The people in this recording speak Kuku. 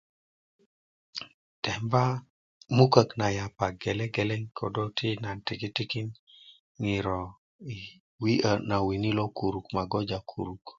temba mukök na yapa gele geleŋ ködö ti nan tikitikin ŋiro i wi'yö na wini lo kuru ma goja kuruk